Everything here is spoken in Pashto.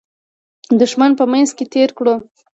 دښمن په منځ کې تېر کړو.